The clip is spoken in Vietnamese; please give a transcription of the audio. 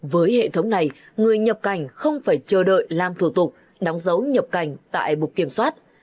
với hệ thống này người nhập cảnh không phải chờ đợi làm thủ tục đóng dấu nhập cảnh tại bục kiểm soát